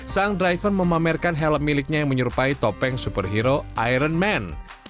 sang driver memamerkan helm miliknya yang menyerupai topeng superhero iron man